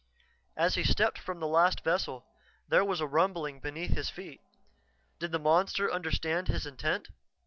As he stepped from the last vessel there was a rumbling beneath his feet. Did the monster understand his intent?